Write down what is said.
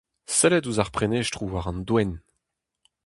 Sellit ouzh ar prenestroù war an doenn.